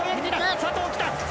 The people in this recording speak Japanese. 佐藤きた！